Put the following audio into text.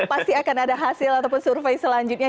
pasti akan ada hasil ataupun survei selanjutnya